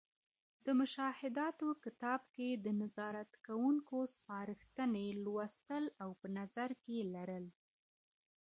د مشاهداتو کتاب کې د نظارت کوونکو سپارښتنې لوستـل او په نظر کې لرل.